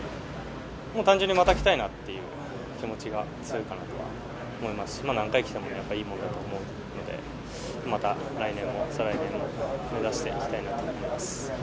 単純にまた来たいなという気持ちが強いかなと思いますし何回来てもいいものだと思うのでまた来年も再来年も目指していきたいなと思います。